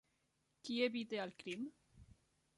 Qui evita el crim?